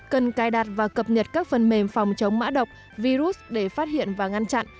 cần cài đặt và cập nhật các phần mềm phòng chống mã độc virus để phát hiện và ngăn chặn